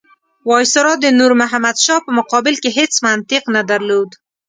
وایسرا د نور محمد شاه په مقابل کې هېڅ منطق نه درلود.